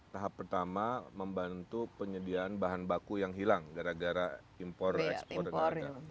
tahap pertama membantu penyediaan bahan baku yang hilang gara gara impor ekspor dan harga